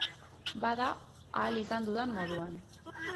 Bada, ahal izan dudan moduan.